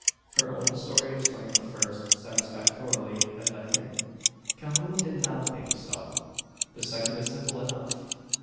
"Her own story explains the first satisfactorily, as I think." Calhoun did not think so. "The second is simple enough.